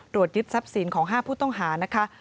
ยึดทรัพย์สินของ๕ผู้ต้องหานะคะ